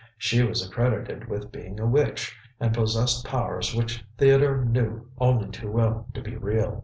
She was accredited with being a witch, and possessed powers which Theodore knew only too well to be real.